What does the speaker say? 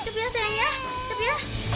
cepat ya sayang ya cepat ya